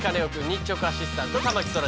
日直アシスタント